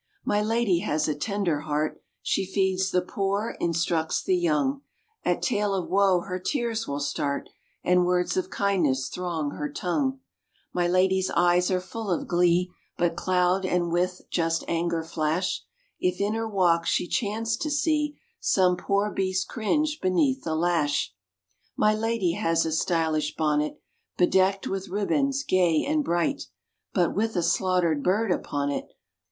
My lady has a tender heart, She feeds the poor, instructs the young, At tale of woe her tears will start, And words of kindness throng her tongue. My lady's eyes are full of glee, But cloud and with just anger flash If in her walk she chance to see Some poor beast cringe beneath the lash. My lady has a stylish bonnet, Bedecked with ribands gay and bright, But with a slaughtered bird upon it.